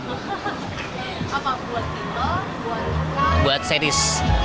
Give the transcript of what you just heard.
apa buat film